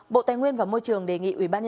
bộ tài nguyên và môi trường đề nghị ubnd